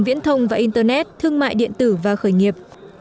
viễn thông và internet thương mại điện tử và khởi nghiệp